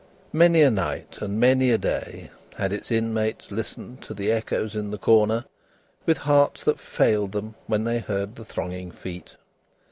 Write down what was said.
Many a night and many a day had its inmates listened to the echoes in the corner, with hearts that failed them when they heard the thronging feet.